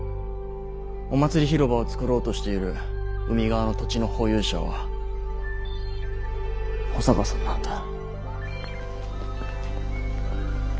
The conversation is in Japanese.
お祭り広場を作ろうとしている海側の土地の保有者は保坂さんなんだ。